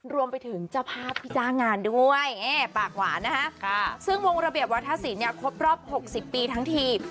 รวมไปถึงจะพาพิจารณ์งานด้วยปากหวานนะคะซึ่งวงระเบียบวัฒนศีลเนี่ยครบรอบหกสิบปีทั้งที